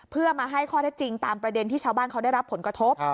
เพื่อมาให้ข้อได้จริงตามประเด็นที่ชาวบ้านเขาได้รับผลกระทบ